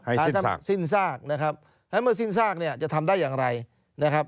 ให้สิ้นซากสิ้นซากนะครับแล้วเมื่อสิ้นซากเนี่ยจะทำได้อย่างไรนะครับ